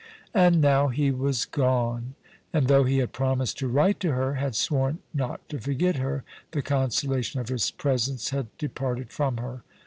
And now he was gone, and though he had promised to write to her — had sworn not to forget her, the consolation of his presence had departed from her.